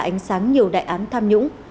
ánh sáng nhiều đại án tham nhũng